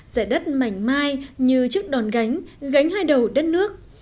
giải đất mảnh mai như chiếc đòn gánh gánh hai đầu đất nước